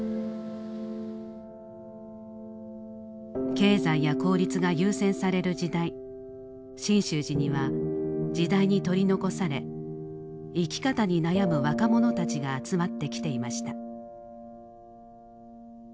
経済や効率が優先される時代真宗寺には時代に取り残され生き方に悩む若者たちが集まってきていました。